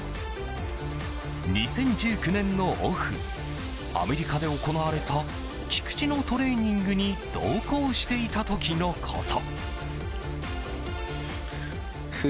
２０１９年のオフアメリカで行われた菊池のトレーニングに同行していた時のこと。